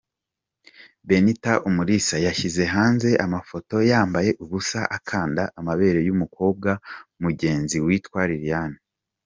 Benitha Umulisa yashyize hanze amafoto yambaye ubusa akanda amabere y’umukobwa mugenzi witwa Liliane.